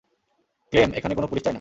Claim, এখানে কোনো police চাই না।